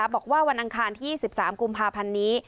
บอกว่าวันอังคารที่๒๓กุมภาพันธ์นี้